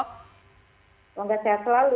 semoga sehat selalu